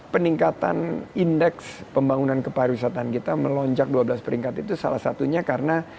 peningkatan indeks pembangunan kepariwisataan kita melonjak dua belas peringkat itu salah satunya karena